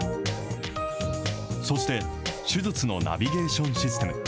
そして、手術のナビゲーションシステム。